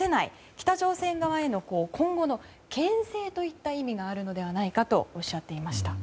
北朝鮮側への今後の牽制といった意味があるのではないかとおっしゃっていました。